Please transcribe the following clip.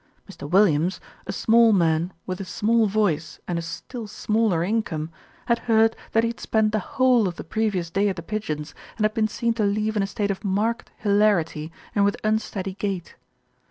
Mr. Williams, a small man with a small voice and a still smaller income, had heard that he had spent the whole of the previous day at The Pigeons, and had been seen to leave in a state of marked hilarity and with unsteady gait.